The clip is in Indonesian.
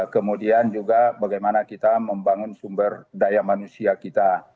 kemudian juga bagaimana kita membangun sumber daya manusia kita